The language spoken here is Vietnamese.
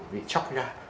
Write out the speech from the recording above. vị chóc ra